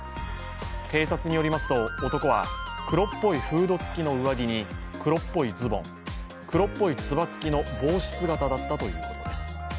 警察によりますと、男は黒っぽいフード付きの上着に黒っぽいズボン、黒っぽいつば付きの帽子姿だったということです。